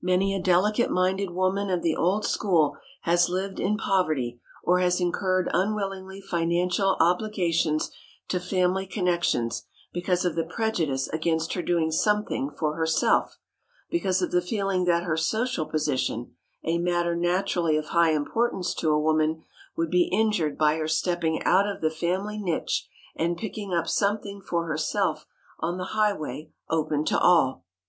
Many a delicate minded woman of the old school has lived in poverty or has incurred unwillingly financial obligations to family connections because of the prejudice against her doing something for herself, because of the feeling that her social position, a matter naturally of high importance to a woman, would be injured by her stepping out of the family niche and picking up something for herself on the highway open to all.